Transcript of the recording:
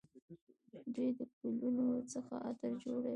دوی د ګلونو څخه عطر جوړوي.